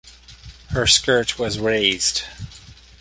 Her skirt was raised.